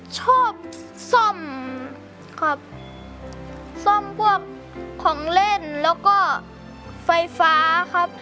ชอบซ่อมครับซ่อมพวกของเล่นแล้วก็ไฟฟ้าครับ